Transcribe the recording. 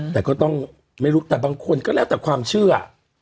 แต่ก็ต้องไม่รู้แต่บางคนก็แล้วแต่ความเชื่อ